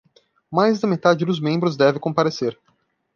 Mais da metade dos membros deve comparecer